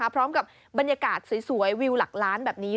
พร้อมกับบรรยากาศสวยวิวหลักล้านแบบนี้